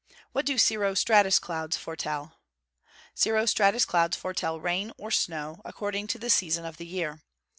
What do cirro stratus clouds foretell? Cirro stratus clouds foretell rain or snow, according to the season of the year.